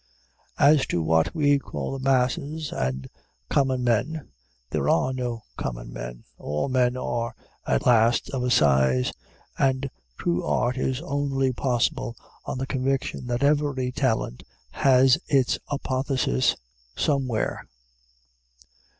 As to what we call the masses and common men there are no common men. All men are at last of a size; and true art is only possible on the conviction that every talent has its apotheosis somewhere.